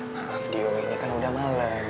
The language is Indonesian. maaf dio ini kan udah malem